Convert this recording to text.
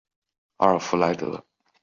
阿尔弗莱德？